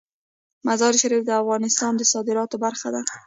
مزارشریف د افغانستان د صادراتو برخه ده.